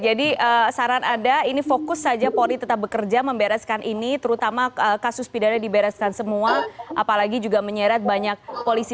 jadi saran anda ini fokus saja polri tetap bekerja membereskan ini terutama kasus pidana dibereskan semua apalagi juga menyeret banyak polisi